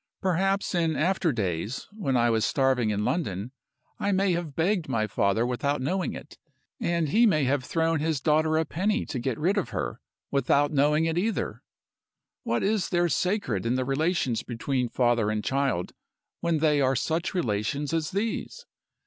Perhaps in after days, when I was starving in London, I may have begged of my father without knowing it; and he may have thrown his daughter a penny to get rid of her, without knowing it either! What is there sacred in the relations between father and child, when they are such relations as these?